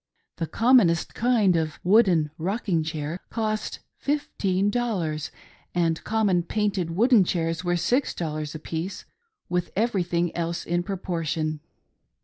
The commonest kind of wooden rocking chair cost fifteen dollars, and common painted wooden chairs were six dollars a piece, with everything else in proportion.